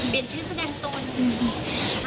เปลี่ยนชื่อแสดงตัว